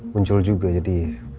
muncul juga jadi